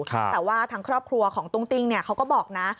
แต่ว่าทางครอบครัวของตุ้งติ้งเขาก็บอกนะ